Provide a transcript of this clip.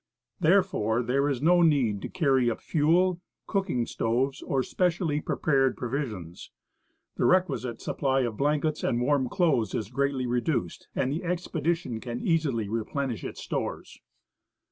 Therefore, there is no need to carry up fuel, cooking stoves, or specially prepared provisions ; the requisite supply of blankets and warm clothes is gready reduced, and the expedition can easily replenish its stores.